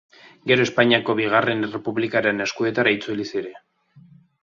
Gero Espainiako Bigarren Errepublikaren eskuetara itzuli ziren.